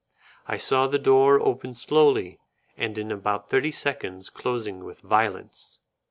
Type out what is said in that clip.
I saw the door open slowly, and in about thirty seconds closing with violence.